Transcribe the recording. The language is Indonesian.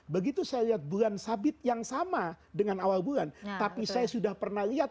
berb patiently order ingat tadi j sebelumnya datang pendasar pilih dan ngorek kalian